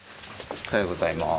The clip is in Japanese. おはようございます。